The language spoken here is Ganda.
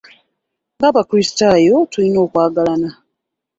Ng'Abakrisitaayo, tulina okwagalana.